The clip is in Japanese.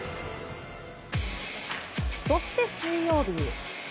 そして水曜日。